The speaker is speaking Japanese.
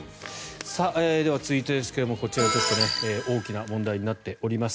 では、続いてですが、こちら大きな問題になっています。